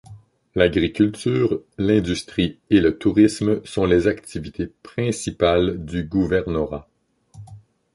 L'agriculture, l'industrie et le tourisme sont les activités principales du gouvernorat.